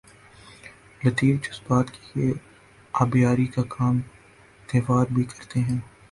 لطیف جذبات کی آبیاری کا کام تہوار بھی کرتے ہیں۔